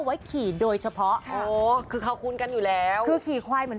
ไว้ขี่โดยเฉพาะโอ้คือเขาคูณกันอยู่แล้วคือขี่ควายเหมือน